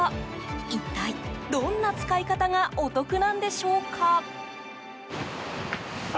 一体どんな使い方がお得なんでしょうか。